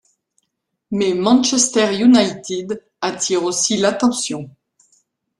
Mais Manchester United attire aussi l'attention.